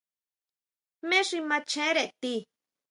¿Jmé xi machjere ti?